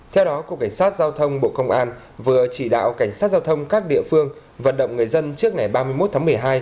theo đó cục cảnh sát giao thông bộ công an vừa chỉ đạo cảnh sát giao thông các địa phương vận động người dân trước ngày ba mươi một tháng một mươi hai